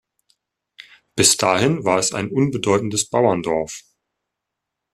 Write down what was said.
Bis dahin war es ein unbedeutendes Bauerndorf.